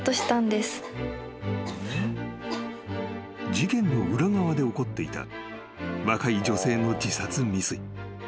［事件の裏側で起こっていた若い女性の自殺未遂］